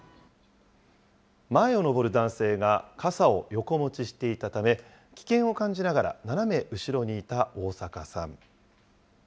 前を上る男性が傘をよこ持ちしていたため、危険を感じながら斜め後ろにいた逢阪さん。